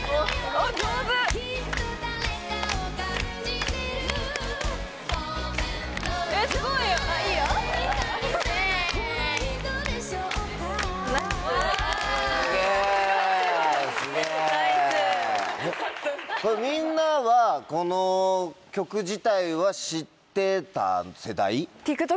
これみんなはこの曲自体は知ってた世代？